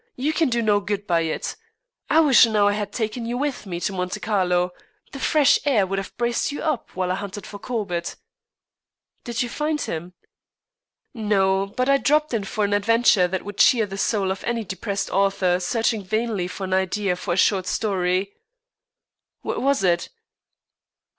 You can do no good by it. I wish now I had taken you with me to Monte Carlo. The fresh air would have braced you up while I hunted for Corbett." "Did you find him?" "No, but I dropped in for an adventure that would cheer the soul of any depressed author searching vainly for an idea for a short story." "What was it?"